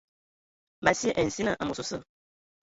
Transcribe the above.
Ma sye a nsina amos osə.